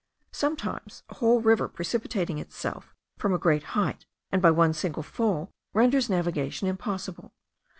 Sometimes a whole river precipitating itself from a great height, and by one single fall, renders navigation impossible.